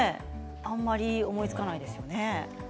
あんまり思いつかないですね。